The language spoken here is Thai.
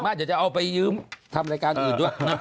มากหาจะไปเอายืมทำรายการอื่นด้วย